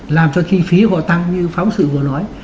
làm cho chi phí họ tăng như phóng sự vừa nói